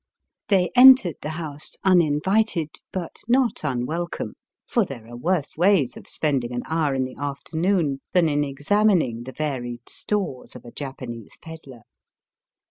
They entered the house uninvited, but not unwelcome, for there are worse ways of spending an hour in the afternoon than in examining the varied stores of a Japanese pedler.